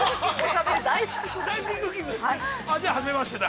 ◆じゃあ初めましてだ。